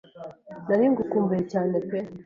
nari ngukumbuye cyane pe